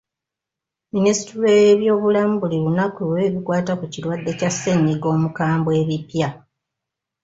Minisitule y'ebyobulamu buli lunaku ewa ebikwata ku kirwadde kya ssennyiga omukambwe ebipya.